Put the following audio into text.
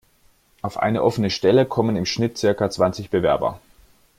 Auf eine offene Stelle kommen im Schnitt circa zwanzig Bewerber.